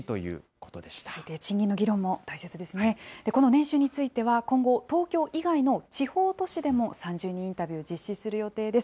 この年収については今後、東京以外の地方都市でも３０人インタビュー実施する予定です。